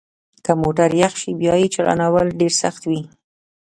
که موټر یخ شي بیا یې چالانول ډیر سخت وي